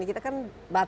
di mana mana berani